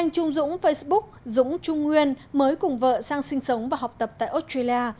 trung dũng facebook dũng trung nguyên mới cùng vợ sang sinh sống và học tập tại australia